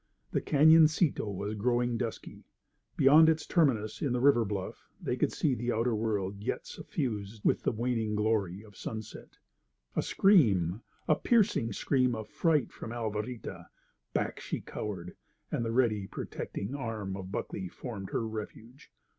The cañoncito was growing dusky. Beyond its terminus in the river bluff they could see the outer world yet suffused with the waning glory of sunset. A scream—a piercing scream of fright from Alvarita. Back she cowered, and the ready, protecting arm of Buckley formed her refuge.